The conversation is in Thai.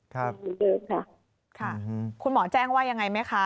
ครับค่ะคุณหมอแจ้งว่ายังไงไหมคะ